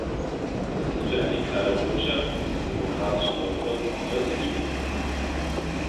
Das ist für eine klare Botschaft des demokratischen Europas auch heute nötig!